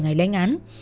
ngày lãnh án